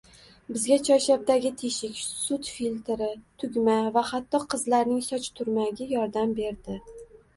Bizga choyshabdagi teshik, sut filtri, tugma va hatto qizlarning soch turmagi yordam berdi